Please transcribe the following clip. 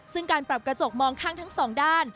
ซึ่งการปรับกระจกมองข้างทั้งสองด้าน